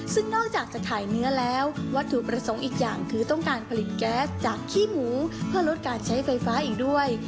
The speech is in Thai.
ซึ่งนอกจากจะถ่ายเนื้อแล้ววัตถุประสงค์อีกอย่างคือต้องการผลิตแก๊สจากขี้หมูเพื่อลดการใช้ไฟฟ้าอีกด้วย